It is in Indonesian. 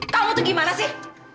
kamu tuh gimana sih